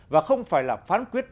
và không phải là phán quyết